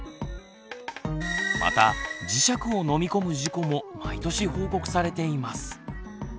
また磁石を飲み込む事故も毎年報告されています。